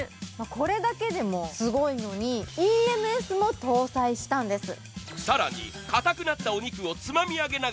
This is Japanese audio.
これだけでもすごいのにＥＭＳも搭載したんです。